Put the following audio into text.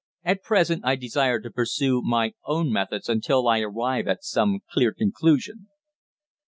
At present I desire to pursue my own methods until I arrive at some clear conclusion."